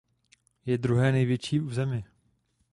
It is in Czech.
Je druhé největší v zemi.